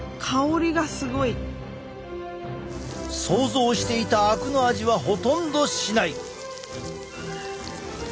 想像していたあくの味はほとんどしない。